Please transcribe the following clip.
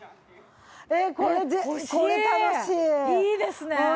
いいですね。